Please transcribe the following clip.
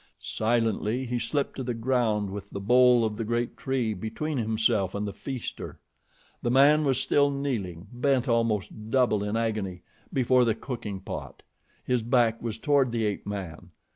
Silently he slipped to the ground with the bole of the great tree between himself and the feaster. The man was still kneeling, bent almost double in agony, before the cooking pot. His back was toward the ape man.